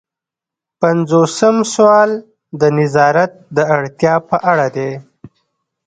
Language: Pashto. پنځوسم سوال د نظارت د اړتیا په اړه دی.